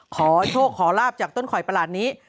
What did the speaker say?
ขอโชคขอลาบจากต้นข่อยประหลาดนี้